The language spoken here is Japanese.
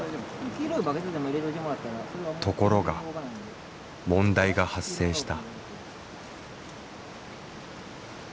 ところが問題が発生した。